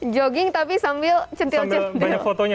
jogging tapi sambil centil centil sambil banyak fotonya